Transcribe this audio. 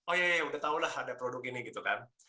oh iya udah tau lah ada produk ini gitu kan